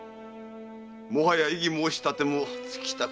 もはや異議申し立てもつきたか？